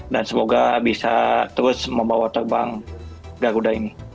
dan semoga bisa terus membawa terbang garuda ini